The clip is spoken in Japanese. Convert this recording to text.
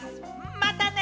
またね！